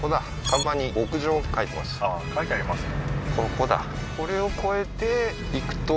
うんああー書いてありますね